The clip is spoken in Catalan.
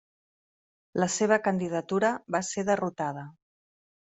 La seva candidatura va ser derrotada.